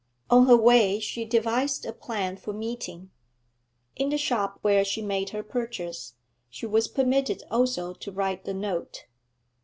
On her way she devised a plan for meeting. In the shop where she made her purchase, she was permitted also to write the note.